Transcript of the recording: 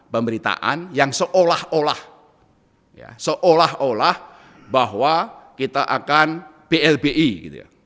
pemberitaan yang seolah olah seolah olah bahwa kita akan blbi